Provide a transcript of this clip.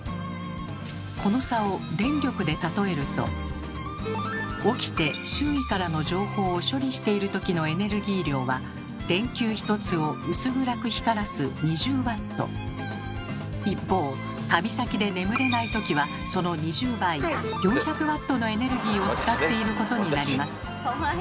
この差を起きて周囲からの情報を処理している時のエネルギー量は電球１つを薄暗く光らす一方旅先で眠れない時はその２０倍４００Ｗのエネルギーを使っていることになります。